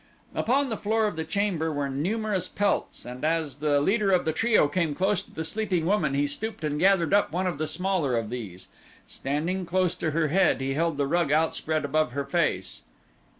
Upon the floor of the chamber were numerous pelts and as the leader of the trio came close to the sleeping woman he stooped and gathered up one of the smaller of these. Standing close to her head he held the rug outspread above her face.